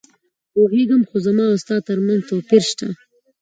پوهېږم، خو زما او ستا ترمنځ توپیر شته.